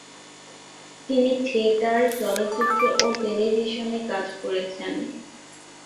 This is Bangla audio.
তিনি থিয়েটার, চলচ্চিত্র ও টেলিভিশনে কাজ করেছেন।